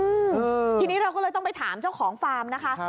อืมทีนี้เราก็เลยต้องไปถามเจ้าของฟาร์มนะคะ